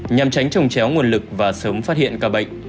nhằm tránh trồng chéo nguồn lực và sớm phát hiện ca bệnh